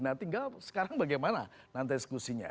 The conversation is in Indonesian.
nah tinggal sekarang bagaimana nanti diskusinya